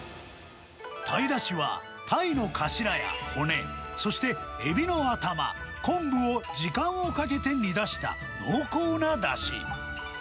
タイだしは、タイのかしらや骨、そしてエビの頭、昆布を時間をかけて煮出した、濃厚なだし。